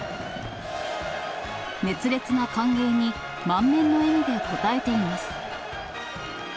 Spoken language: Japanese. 熱烈な歓迎に、満面の笑みで応えています。